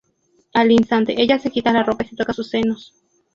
Al instante ella se quita la ropa y se toca sus senos.